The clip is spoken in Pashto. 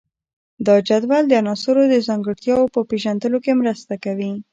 دا جدول د عناصرو د ځانګړتیاوو په پیژندلو کې مرسته کوي.